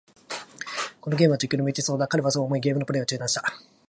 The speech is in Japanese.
このゲームは、実況に向いてそうだ。彼はそう思い、ゲームのプレイを中断した。